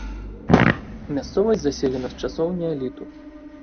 Мясцовасць заселена з часоў неаліту.